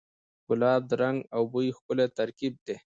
ګلاب د رنګ او بوی ښکلی ترکیب دی.